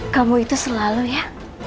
kamu itu selalu ya